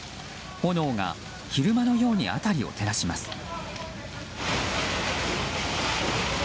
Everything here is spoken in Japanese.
炎が昼間のように辺りを照らします。